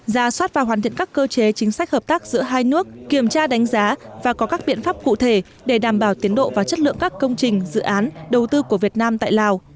ra soát và hoàn thiện các cơ chế chính sách hợp tác giữa hai nước kiểm tra đánh giá và có các biện pháp cụ thể để đảm bảo tiến độ và chất lượng các công trình dự án đầu tư của việt nam tại lào